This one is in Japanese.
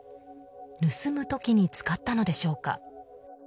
盗む時に使ったのでしょうか。